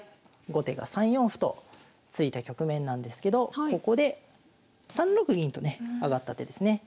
後手が３四歩と突いた局面なんですけどここで３六銀とね上がった手ですね。